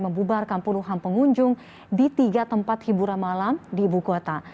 membubarkan puluhan pengunjung di tiga tempat hiburan malam di ibu kota